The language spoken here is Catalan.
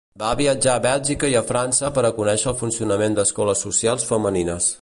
Va viatjar a Bèlgica i a França per a conéixer el funcionament d’escoles socials femenines.